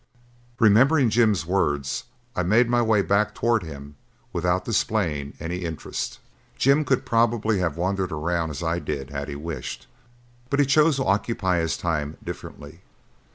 Remembering Jim's words, I made my way back toward him without displaying any interest. Jim could probably have wandered around as I did had he wished, but he chose to occupy his time differently.